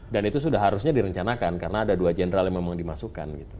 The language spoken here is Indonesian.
dan itu sudah harusnya direncanakan karena ada dua jenderal yang memang dimasukkan